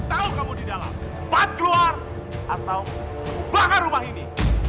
aku tahu kamu di dalam cepat keluar atau bangka rumah ini